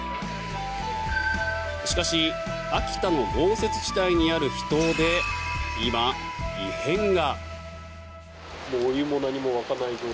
しかし秋田の豪雪地帯にある秘湯で今、異変が。